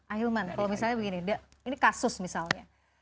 ahilman kalau misalnya begini ini kasus misalnya